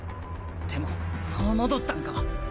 でももう戻ったんか？